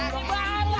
ini baru acara